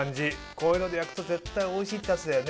こういうので焼くと絶対おいしいってやつだよね。